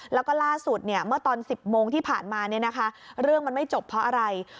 แล้วก็ล่าสุดเมื่อตอน๑๐โมงที่ผ่านมาเรื่องมันไม่จบเพราะอะไร